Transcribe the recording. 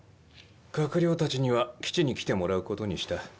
閣僚たちには基地に来てもらうことにした。